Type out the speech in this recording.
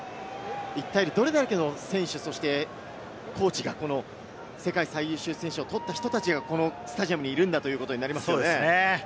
一体どれだけの選手、そしてコーチがこの世界最優秀選手を取った人たちがこのスタジアムにいるんだということになりますね。